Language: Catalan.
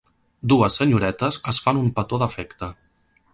Dues senyoretes es fan un petó d'afecte.